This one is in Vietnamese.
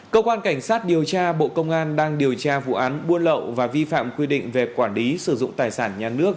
cơ quan cảnh sát điều tra bộ công an đang điều tra vụ án buôn lậu và vi phạm quy định về quản lý sử dụng tài sản nhà nước